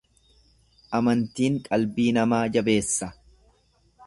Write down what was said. Amantiin qalbii namaa jabeessa.